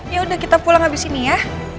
yaudah kita pulang abis ini ya